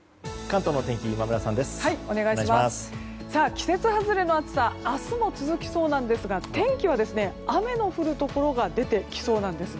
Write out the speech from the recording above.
季節外れの暑さは今も続きそうなんですが天気は雨の降るところが出てきそうなんです。